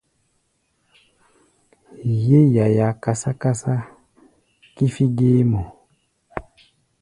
Yé yaia kásá-kásá kífí géémɔ.